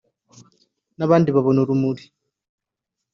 n’abandi babona urumuri